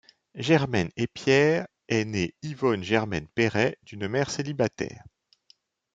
Germaine Épierre est née Yvonne Germaine Perret d'une mère célibataire.